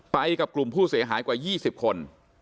ไปกับกลุ่มผู้เสียหายกว่า๒๐คน